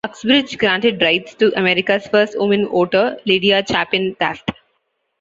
Uxbridge granted rights to America's first woman voter, Lydia Chapin Taft.